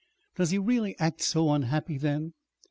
"Does he really act so unhappy, then?"